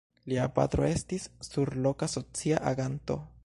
Lia patro estis surloka socia aganto.